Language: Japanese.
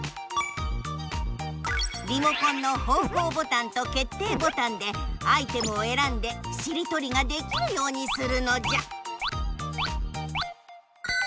リモコンの方向ボタンと決定ボタンでアイテムをえらんでしりとりができるようにするのじゃ！